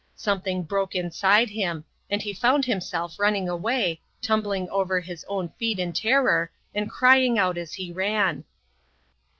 Something broke inside him, and he found himself running away, tumbling over his own feet in terror, and crying out as he ran.